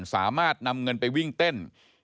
สามารถนำเงินไปวิ่งเต้น